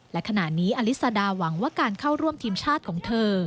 และขณะนี้อลิซาดาหวังว่าการเข้าร่วมทีมชาติของเธอ